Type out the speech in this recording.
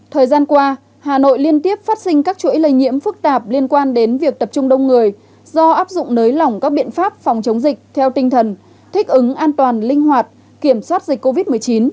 thời gian qua hà nội liên tiếp phát sinh các chuỗi lây nhiễm phức tạp liên quan đến việc tập trung đông người do áp dụng nới lỏng các biện pháp phòng chống dịch theo tinh thần thích ứng an toàn linh hoạt kiểm soát dịch covid một mươi chín